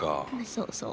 そうそう。